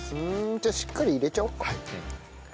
じゃあしっかり入れちゃおうか。